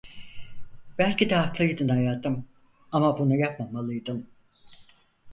Belki de haklıydın hayatım, ama bunu yapmamalıydın.